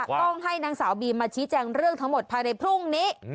ต้องให้นางสาวบีมมาชี้แจงเรื่องทั้งหมดภายในพรุ่งนี้